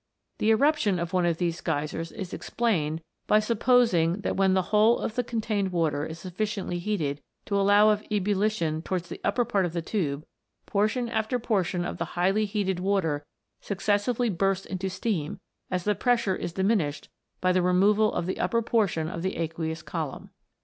The eruption of one of these Geysers is explained by supposing that when the whole of the contained water is sufficiently heated to allow of ebullition towards the upper part of the tube, portion after portion of the highly heated water successively bursts into steam as the pressure is diminished by the removal of the upper portion of the aqueous column.